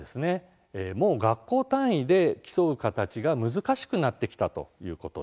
もう学校単位で競う形が難しくなってきたということです。